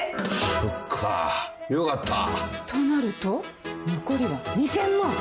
そっかよかった！となると残りは２，０００万。